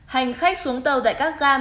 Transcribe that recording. hành khách xuống tàu tại các gà miền bắc